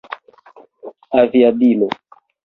aviadilo